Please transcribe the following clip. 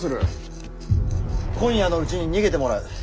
今夜のうちに逃げてもらう。